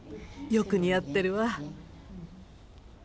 よく似合ってるわ。